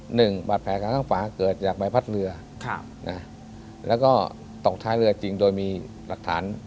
หนึ่งบาดแผลข้างฝาเกิดจากใบพัดเรือแล้วก็ตกท้ายเรือจริงโดยมีหลักฐาน